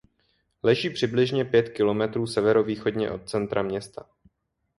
Leží přibližně pět kilometrů severovýchodně od centra města.